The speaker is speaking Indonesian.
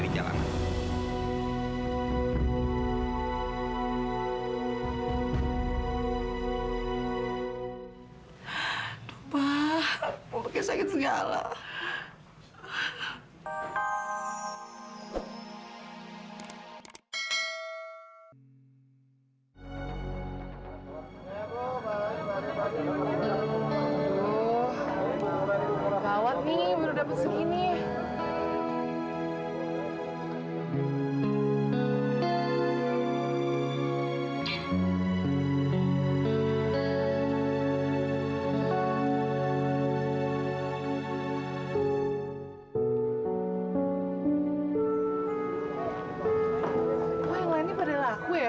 kok yang lainnya padahal aku ya